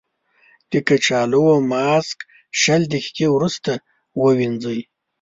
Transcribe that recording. د کچالو ماسک شل دقیقې وروسته ووينځئ.